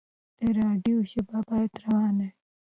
د راډيو ژبه بايد روانه وي.